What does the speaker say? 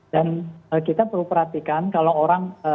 dan kita perlu perhatikan kalau orang